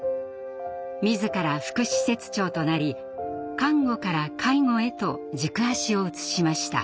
自ら副施設長となり看護から介護へと軸足を移しました。